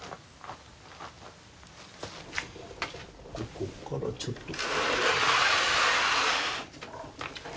ここからちょっと。